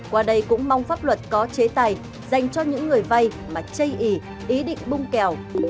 qua đây cũng mong pháp luật có chế tài dành cho những người vay mà chây ý định bung kèo